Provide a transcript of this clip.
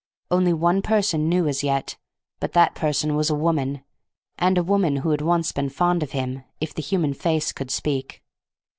Only one person knew as yet, but that person was a woman, and a woman who had once been fond of him, if the human face could speak.